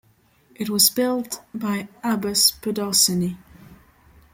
It was built by Abbas Pedarsani.